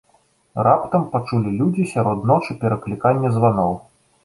Раптам пачулі людзі сярод ночы перакліканне званоў.